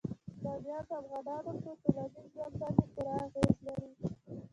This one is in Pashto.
بامیان د افغانانو په ټولنیز ژوند باندې پوره اغېز لري.